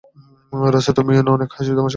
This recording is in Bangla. রাজ, তুমিও না, অনেক হাসি তামাশা করো।